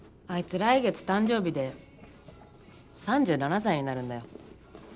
来月誕生日で３７歳になるんだよ。